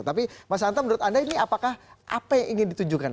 tapi mas hanta menurut anda ini apakah apa yang ingin ditunjukkan